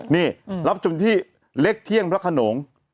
นี่รับชมที่เล็กเที่ยงพระขนง